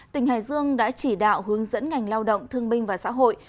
tỉnh hải dương đã chỉ đạo hướng dẫn ngành lao động thương binh và xã hội